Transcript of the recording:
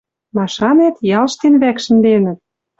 Машанет, ялштен вӓк шӹнденӹт..